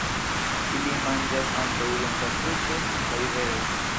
Ili manĝas ankaŭ iom da frukto kaj beroj.